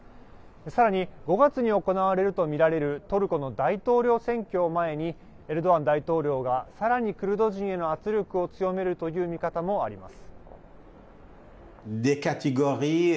さらに５月に行われると見られるトルコの大統領選挙を前にエルドアン大統領がさらにクルド人への圧力を強めるという見方もあります。